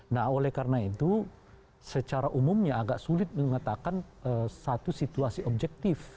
nah oleh karena itu secara umumnya agak sulit mengatakan satu situasi objektif